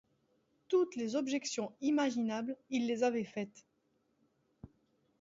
Toutes les objections imaginables, il les avait faites !…